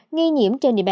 nghi nhiễm trên địa bàn